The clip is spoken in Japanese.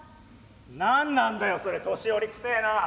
「何なんだよそれ年寄りくせえな。